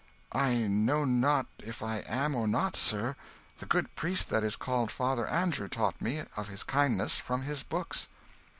"I know not if I am or not, sir. The good priest that is called Father Andrew taught me, of his kindness, from his books."